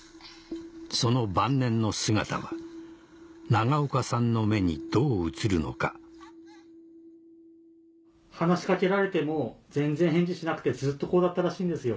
その晩年の姿は永岡さんの目にどう映るのか話し掛けられても全然返事しなくてずっとこうだったらしいんですよ。